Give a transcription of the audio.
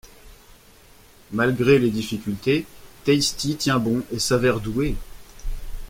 Malgré les difficultés, Taystee tient bon et s'avère douée.